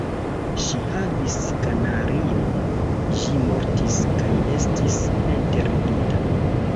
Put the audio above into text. Ŝi havis kanarion; ĝi mortis kaj estis enterigita.